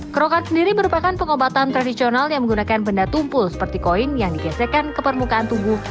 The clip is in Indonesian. krokan sendiri merupakan pengobatan tradisional yang menggunakan benda tumpul seperti koin yang digesekkan ke permukaan tubuh